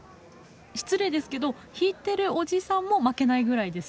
失礼ですけど弾いてるおじさんも負けないぐらいですよね？